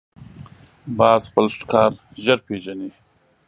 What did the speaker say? باز خپل ښکار ژر پېژني